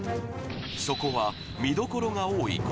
そこは見どころが多い